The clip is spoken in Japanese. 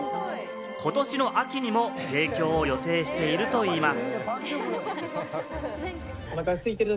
ことしの秋にも提供を予定しているといいます。